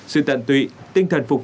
sự tận tụy tinh thần phục vụ